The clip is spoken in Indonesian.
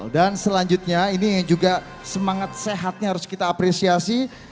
dan selanjutnya ini yang juga semangat sehatnya harus kita apresiasi